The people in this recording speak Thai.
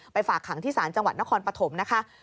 ฝากขังที่ศาลจังหวัดนครปฐมนะคะ